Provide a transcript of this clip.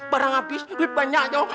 barang habis duit banyak jauh